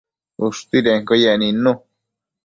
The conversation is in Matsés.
ushtuidenquio yec nidnu